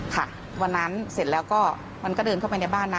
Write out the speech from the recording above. ค่ะวันนั้นเสร็จแล้วก็มันก็เดินเข้าไปในบ้านนะ